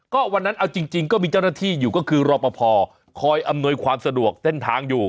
ก็วันนั้นเอาจริงก็มีเจ้าหน้าที่อยู่ก็คือรอปภคอยอำนวยความสะดวกเส้นทางอยู่